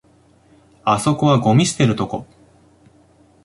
あそこはゴミ捨てるとこ